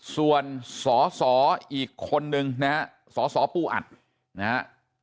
ส่วนสอสออีกคนนึงนะฮะสสปูอัดนะฮะ